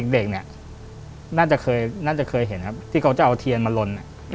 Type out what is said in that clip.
เด็กเนี่ยน่าจะเคยน่าจะเคยเห็นครับที่เขาจะเอาเทียนมาลน